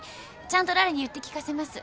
ちゃんと羅羅に言って聞かせます。